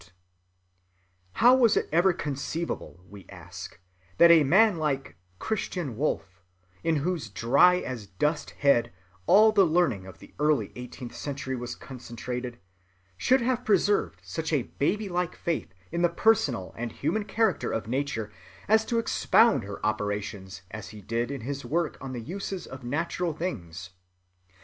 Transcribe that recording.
332 How was it ever conceivable, we ask, that a man like Christian Wolff, in whose dry‐as‐dust head all the learning of the early eighteenth century was concentrated, should have preserved such a baby‐like faith in the personal and human character of Nature as to expound her operations as he did in his work on the uses of natural things?